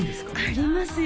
ありますよ